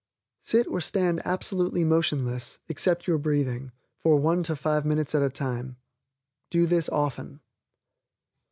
Sit or stand absolutely motionless, except your breathing, for one to five minutes at a time. Do this often.